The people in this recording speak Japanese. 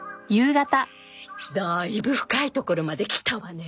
だいぶ深いところまできたわね。